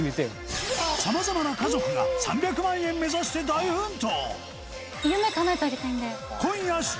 さまざまな家族が３００万円目指して大奮闘！